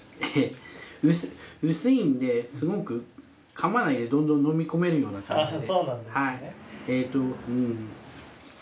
薄いんですごく噛まないでどんどん飲み込めるような感じで。